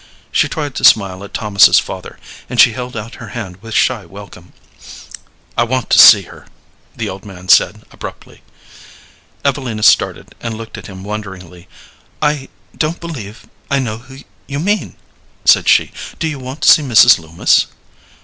She tried to smile at Thomas's father, and she held out her hand with shy welcome. "I want to see her," the old man said, abruptly. Evelina started, and looked at him wonderingly. "I don't believe I know who you mean," said she. "Do you want to see Mrs. Loomis?"